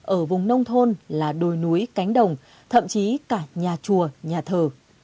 ở vùng nông thôn là đồi núi cánh đồng thậm chí cả nhà chùa nhà thờ